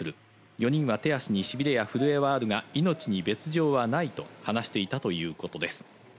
４人は手足にしびれや震えはあるが命に別条はないと話していたということです。